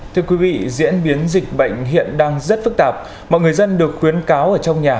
thưa quý vị diễn biến dịch bệnh hiện đang rất phức tạp mọi người dân được khuyến cáo ở trong nhà